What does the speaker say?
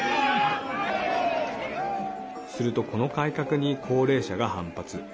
すると、この改革に高齢者が反発。